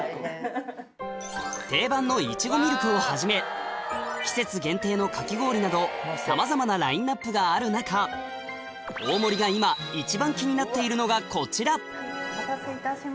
定番のいちごミルクをはじめ季節限定のかき氷などさまざまなラインアップがある中こちらお待たせいたしました。